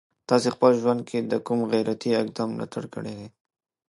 تاسي په خپل ژوند کي د کوم غیرتي اقدام ملاتړ کړی دی؟